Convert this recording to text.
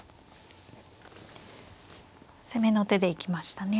攻めの手で行きましたね。